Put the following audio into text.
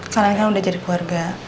kalian kan udah jadi keluarga